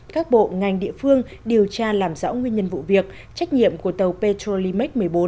các bộ ngành địa phương điều tra làm rõ nguyên nhân vụ việc trách nhiệm của tàu petrolimax một mươi bốn